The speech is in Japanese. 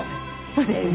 そうですね。